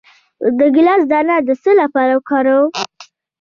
د ګیلاس دانه د څه لپاره وکاروم؟